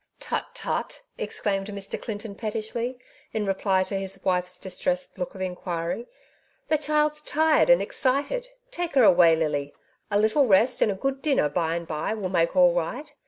'^ Tut ! tut !'^ exclaimed Mr. Clinton pettishly, in reply to his wife's distressed look of inquiry ; '^the child's tired and excited; take her away, Lily. A little rest, and a good dinner by and by, will make all right.